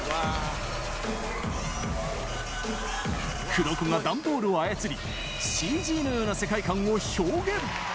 ＫＵＲＯＫＯが段ボールを操り、ＣＧのような世界観を表現。